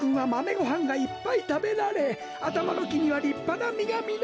ごはんがいっぱいたべられあたまのきにはりっぱなみがみのる。